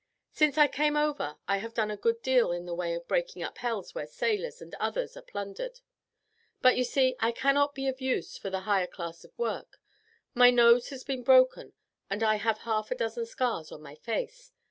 Since I came over I have done a good deal in the way of breaking up hells where sailors and others are plundered. But, you see, I cannot be used for the higher class of work; my nose has been broken, and I have half a dozen scars on my face.